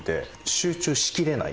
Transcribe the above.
集中しきれない。